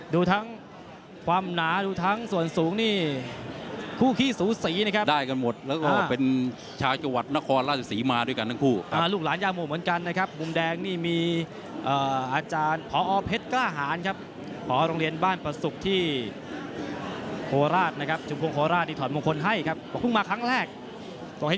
ดูทั้งความหนาดูทั้งส่วนสูงนี่คู่ขี้สูสีนะครับได้กันหมดแล้วก็เป็นชาวจังหวัดนครราชศรีมาด้วยกันทั้งคู่ลูกหลานย่าโมเหมือนกันนะครับมุมแดงนี่มีอาจารย์พอเพชรกล้าหารครับหอโรงเรียนบ้านประสุกที่โคราชนะครับชุมพงโคราชที่ถอดมงคลให้ครับบอกเพิ่งมาครั้งแรกต่อให้